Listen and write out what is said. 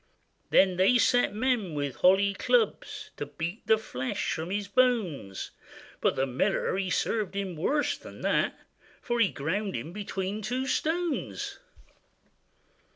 Then they set men with holly clubs, To beat the flesh from his bones; But the miller he served him worse than that, For he ground him betwixt two stones.